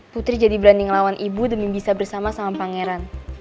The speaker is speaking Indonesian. putri jadi berani ngelawan ibu demi bisa bersama sama pangeran